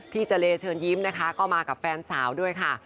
เจรเชิญยิ้มนะคะก็มากับแฟนสาวด้วยค่ะ